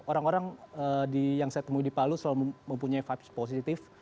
orang orang yang saya temui di palu selalu mempunyai vibes positif